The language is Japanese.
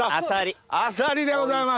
あさりでございます！